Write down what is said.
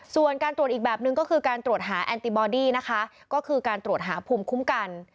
ส่วนการตรวจอีกแบบนึงก็คือการตรวจหาแอนติบอดี้นะคะก็คือการตรวจหาภูมิคุ้มกัน